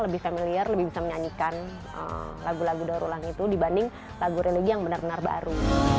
lebih familiar lebih bisa menyanyikan lagu lagu daur ulang itu dibanding lagu religi yang benar benar baru